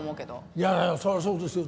いやそりゃそうですよ。